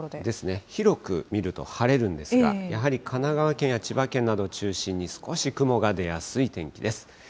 ですね、広く見ると晴れるんですが、やはり神奈川県や千葉県などを中心に少し雲が出やすい天気です。